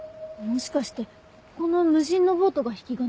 もしかしてこの無人のボートが引き金？